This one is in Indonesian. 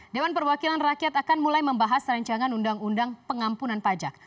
dewan perwakilan rakyat akan mulai membahas rancangan undang undang pengampunan pajak